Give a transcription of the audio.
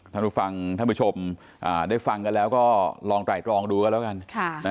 ท่านผู้ฟังท่านผู้ชมได้ฟังกันแล้วก็ลองไตรตรองดูกันแล้วกัน